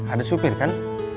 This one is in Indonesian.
ada supir kan